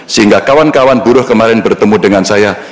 sehingga kawan kawan buruh kemarin bertemu dengan saya